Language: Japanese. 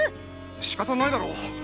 しかたないだろう。